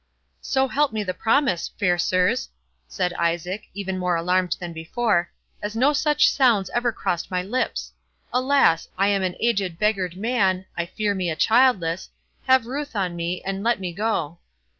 "So help me the Promise, fair sirs," said Isaac, even more alarmed than before, "as no such sounds ever crossed my lips! Alas! I am an aged beggar'd man—I fear me a childless—have ruth on me, and let me go!"